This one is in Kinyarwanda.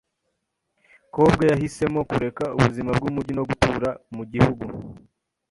Kobwa yahisemo kureka ubuzima bwumujyi no gutura mugihugu.